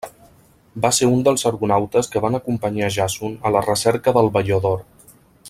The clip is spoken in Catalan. Va ser un dels argonautes que van acompanyar Jàson a la recerca del velló d'or.